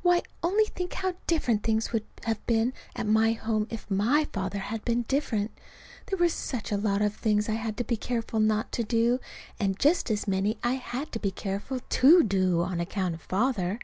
Why, only think how different things would have been at home if my father had been different! There were such a lot of things I had to be careful not to do and just as many I had to be careful to do on account of Father.